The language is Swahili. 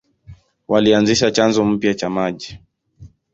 Walianzisha chanzo mpya cha maji.